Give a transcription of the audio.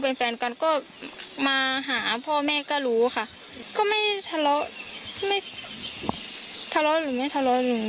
เดี๋ยวไปดูภาพล่าสุดเมื่อช่วง